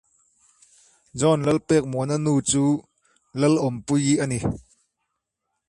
Many printers use recycled or sustainable material for the board stock.